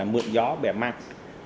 mượt gió bẻ măng